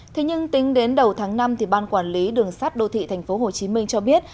thế nhưng tính đến đầu tháng năm ban quản lý đường sát đô thị tp hcm cho biết